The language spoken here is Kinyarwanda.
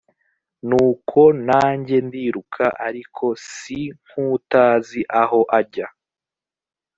nuko nanjye ndiruka ariko si nk utazi aho ajya